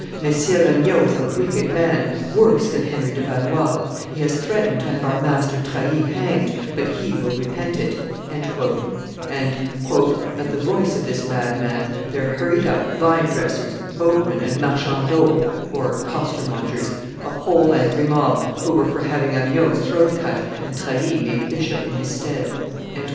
messire Amyot is a wicked man, worse than Henry de Valois; he has threatened to have our master Trahy hanged, but he will repent it;" and, "at the voice of this madman, there hurried up vine dressers, boatmen, and marchandeaux (costermongers), a whole angry mob, who were for having Amyot's throat cut, and Trahy made bishop in his stead."